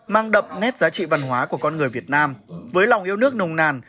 mang đậm nét giá trị văn hóa của con người việt nam với lòng yêu nước nồng nàn